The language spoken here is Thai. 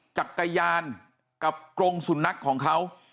จักรยานกับกรงสุนัขของเขา